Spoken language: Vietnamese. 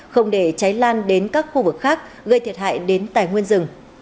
không để cháy lan đến các khu vực khác gây thiệt hại đến tài nguyên rừng